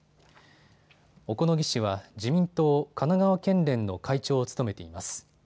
小此木氏は自民党神奈川県連の会長を務めています。